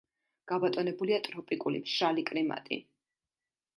გაბატონებულია ტროპიკული მშრალი კლიმატი.